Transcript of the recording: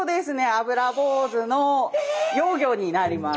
アブラボウズの幼魚になります。